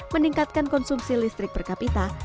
meningkatkan konsumsi listrik per kapita